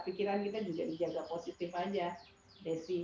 pikiran kita juga dijaga positif aja desi